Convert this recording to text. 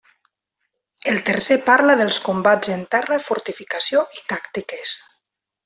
El tercer parla dels combats en terra, fortificació i tàctiques.